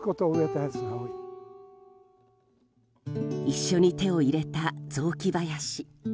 一緒に手を入れた雑木林。